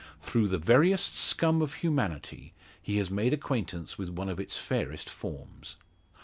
Through the veriest scum of humanity he has made acquaintance with one of its fairest forms.